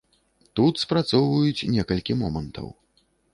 Тут спрацоўваюць некалькі момантаў.